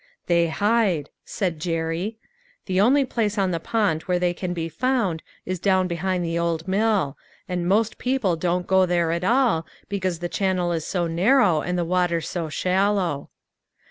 #" They hide," said Jerry. " The only place on the pond where they can be found is down behind the old mill ; and most people don't go there at all, because the channel is so narrow, and the water so shallow."